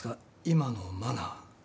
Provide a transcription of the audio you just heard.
今のマナー。